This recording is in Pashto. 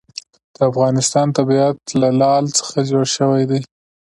د افغانستان طبیعت له لعل څخه جوړ شوی دی.